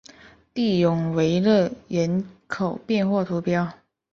蒂永维勒人口变化图示